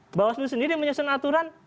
perbawaslu sendiri menyelesaikan aturan